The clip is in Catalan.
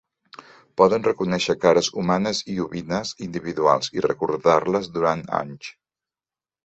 Poden reconèixer cares humanes i ovines individuals i recordar-les durant anys.